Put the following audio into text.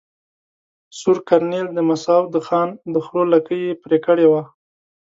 سور کرنېل د مساو د خان د خرو لکې ېې پرې کړي وه.